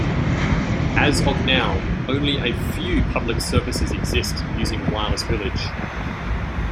As of now, only a few public services exist using Wireless Village.